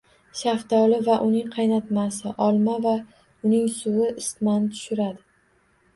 Shaftoli va uning qaynatmasi, olma va uning suvi isitmani tushiradi.